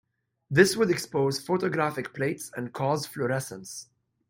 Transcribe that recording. This would expose photographic plates and cause fluorescence.